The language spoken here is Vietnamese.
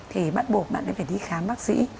thì bắt buộc bạn mới phải đi khám bác sĩ